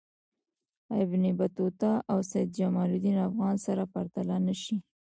ابن بطوطه او سیدجماالدین افغان سره پرتله نه شي.